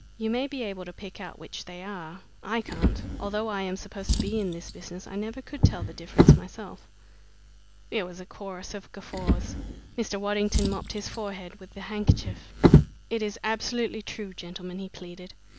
You may be able to pick out which they are. I can't. Although I am supposed to be in the business, I never could tell the difference myself." There was a chorus of guffaws. Mr. Waddington mopped his forehead with a handkerchief. "It is absolutely true, gentlemen," he pleaded.